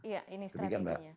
iya ini strateginya